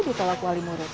di talang kualimuru